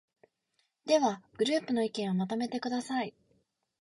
では、グループの意見をまとめてください。